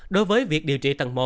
đối với việc điều trị tầng một